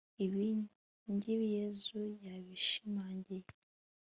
ibingibi yezu yabishimangiye